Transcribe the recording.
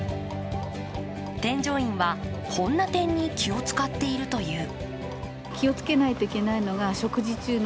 添乗員は、こんな点に気を使っているという。